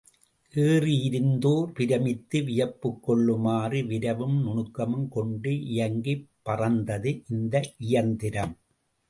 ஏறியிருந்தோர் பிரமித்து வியப்புக் கொள்ளுமாறு விரைவும் நுணுக்கமும் கொண்டு இயங்கிப் பறந்தது இந்த இயந்திரம்.